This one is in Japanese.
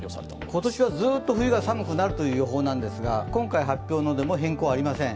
今年はずっと冬が寒くなるという予報なんですが今回の発表でも変更はありません。